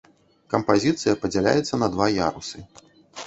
Кампазіцыя падзяляецца на два ярусы.